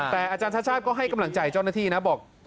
แต่อาจารย์ชาติชาติก็ให้กำลังใจเจ้าหน้าที่นะบอก